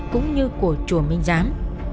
cũng như của chùa minh giám